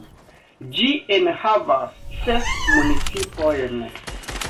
Ĝi enhavas ses municipojn.